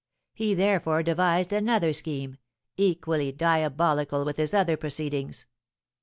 He therefore devised another scheme, equally diabolical with his other proceedings.